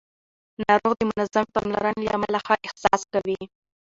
ناروغ د منظمې پاملرنې له امله ښه احساس کوي